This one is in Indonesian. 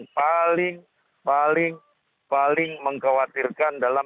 pak wali kota